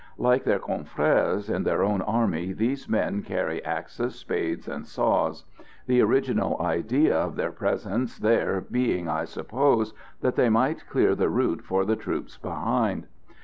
Like their confrères in our own army these men carry axes, spades and saws; the original idea of their presence there being, I suppose, that they might clear the route for the troops behind.